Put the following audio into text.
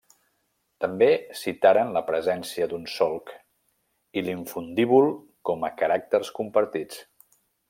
També citaren la presència d'un solc i l'infundíbul com a caràcters compartits.